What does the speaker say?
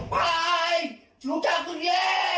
ปายเป็นลูกศัตรูนี้